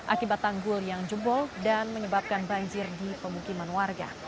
akibat tanggul yang jebol dan menyebabkan banjir di pemukiman warga